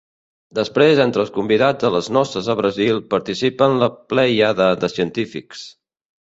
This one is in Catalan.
Després entre els convidats a les noces a Brasil, participen la plèiade de científics.